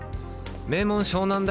名門湘南大